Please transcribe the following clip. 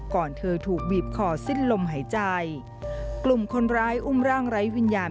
เธอถูกบีบคอสิ้นลมหายใจกลุ่มคนร้ายอุ้มร่างไร้วิญญาณ